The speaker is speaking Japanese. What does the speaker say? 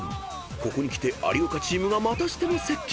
ここにきて有岡チームがまたしても接近。